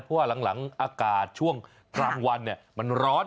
เพราะว่าหลังอากาศช่วงกลางวันมันร้อน